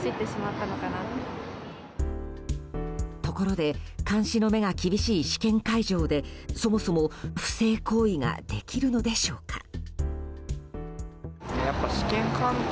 ところで監視の目が厳しい試験会場でそもそも、不正行為ができるのでしょうか。